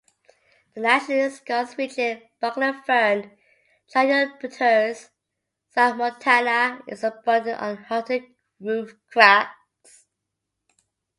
The nationally scarce rigid buckler-fern "Dryopteris submontana" is abundant on Hutton Roof Crags.